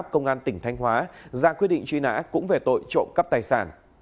công an tỉnh thanh hóa ra quyết định truy nã cũng về tội trộm cắp tài sản